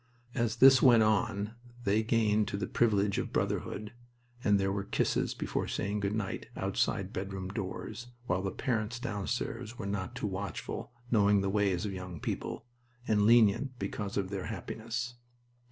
As this went on they gained to the privilege of brotherhood, and there were kisses before saying "good night" outside bedroom doors, while the parents downstairs were not too watchful, knowing the ways of young people, and lenient because of their happiness.